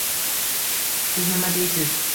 Siz nima deysiz?